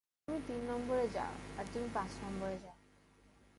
তুমি তিন নাম্বারে যাও আর তুমি পাঁচ নাম্বারে যাও।